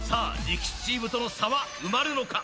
力士チームとの差は埋まるのか？